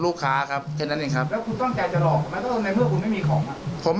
เดี๋ยวตรงจีนนะครับขอให้มีเงินนะครับ